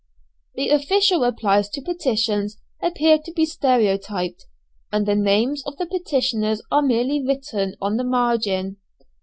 The official replies to petitions appear to be stereotyped, and the names of the petitioners are merely written on the margin.